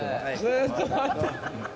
ずっと回ってる。